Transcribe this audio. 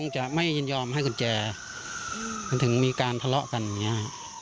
จะไม่ยินยอมให้กุญแจมันถึงมีการทะเลาะกันอย่างนี้